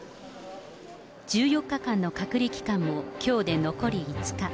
１４日間の隔離期間も、きょうで残り５日。